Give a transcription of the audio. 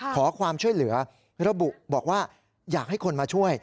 ขอความช่วยเหลือระบุบอกว่าอยากให้คนมาช่วย